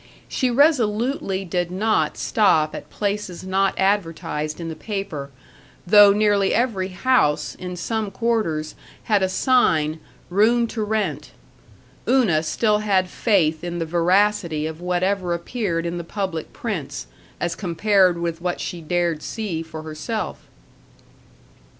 She resolutely did not stop at places not advertised in the paper, though nearly every house, in some quarters, had a sign, "Room to Rent." Una still had faith in the veracity of whatever appeared in the public prints, as compared with what she dared see for herself.